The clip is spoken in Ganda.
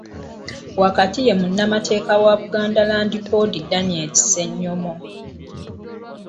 Wakati ye munnamateeka wa Buganda Land Board Daniel Ssenyomo.